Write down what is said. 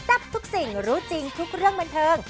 ทับทุกสิ่งรู้จริงทุกเรื่องบันเทิง